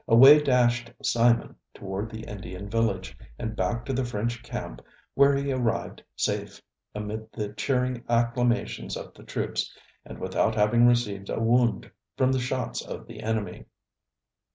Away dashed Simon toward the Indian village, and back to the French camp where he arrived safe amid the cheering acclamations of the troops, and without having received a wound from the shots of the enemy.